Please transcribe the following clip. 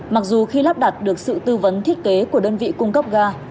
mặc dù khi lắp đặt được sự tư vấn thiết kế của đơn vị cung cấp ga